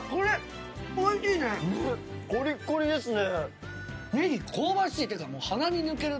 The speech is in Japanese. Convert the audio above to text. コリコリですね！